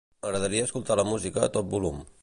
M'agradaria escoltar la música a tot volum.